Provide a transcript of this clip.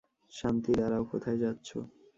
শান্তি, - দাঁড়াও, কোথায় যাচ্ছো?